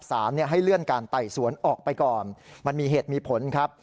สารให้เลื่อนการไต่สวนออกไปก่อนมันมีเหตุมีผลครับ